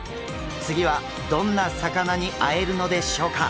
次はどんな魚に会えるのでしょうか？